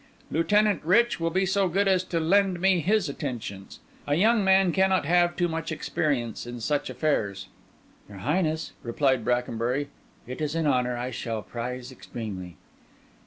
Lieutenant Rich will be so good as lend me his attentions: a young man cannot have too much experience in such affairs." "Your Highness," replied Brackenbury, "it is an honour I shall prize extremely."